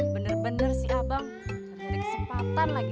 bener bener si abang ada kesempatan lagi